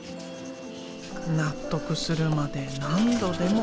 納得するまで何度でも。